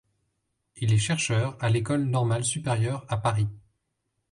Il est chercheur à l'École Normale Supérieure à Paris.